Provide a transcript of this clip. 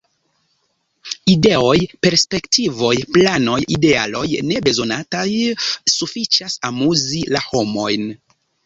Ideoj, perspektivoj, planoj, idealoj – ne bezonataj; sufiĉas amuzi la homojn.